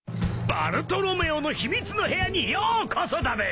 バルトロメオの秘密の部屋にようこそだべ！